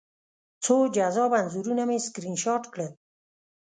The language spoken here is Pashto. څو جذابه انځورونه مې سکرین شاټ کړل